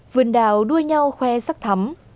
vườn đào đua nhau khoe sắc thắm